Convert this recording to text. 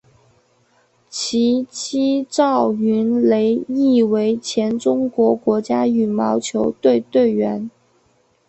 其妻赵芸蕾亦为前中国国家羽毛球队队员。